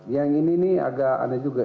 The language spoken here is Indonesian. yang ini agak aneh juga